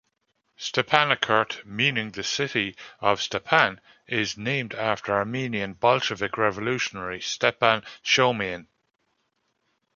"Stepanakert" meaning the "city of Stepan" is named after Armenian Bolshevik revolutionary Stepan Shaumian.